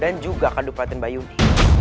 dan juga kadupaten bayuni